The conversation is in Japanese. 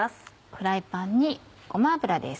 フライパンにごま油です。